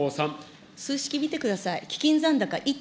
数式見てください。